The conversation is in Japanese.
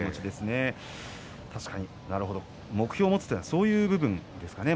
目標を持つというのはそういう部分ですかね